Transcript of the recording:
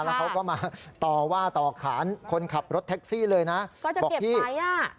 แล้วเขาก็มาต่อว่าต่อขานคนขับรถแท็กซี่เลยนะบอกพี่ไหนอ่ะ